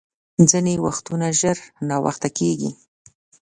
ځیني وختونه ژر ناوخته کېږي .